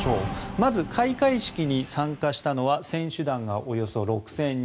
まず、開会式に参加したのは選手団がおよそ６０００人。